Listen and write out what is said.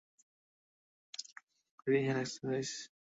ভোরবেলা খোলা জায়গায় দাঁড়িয়ে পনের মিনিট ফ্রি-হ্যান্ড একসারসাইজ হচ্ছে তার একটি।